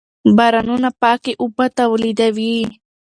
بارانونه پاکې اوبه تولیدوي.